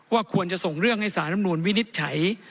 ควรจะส่งเรื่องให้สารลำนูลวินิจฉัย